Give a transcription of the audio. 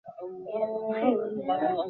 আমার মনে হয় সারা দিনই ঘুমুবেন!